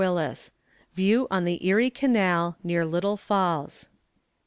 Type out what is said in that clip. VIEW ON THE ERIE CANAL, NEAR LITTLE FALLS.